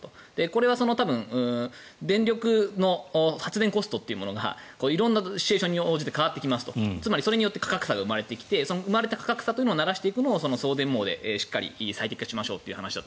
これは多分電力の発電コストというものが色んなシチュエーションによって変わってきますとつまりそれによって価格差が生まれてきて生まれた価格差をならしていくのを送電網で最適化していこうと。